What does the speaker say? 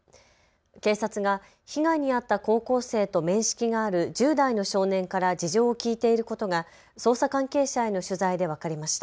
警察が被害に遭った高校生と面識がある１０代の少年から事情を聴いていることが捜査関係者への取材で分かりました。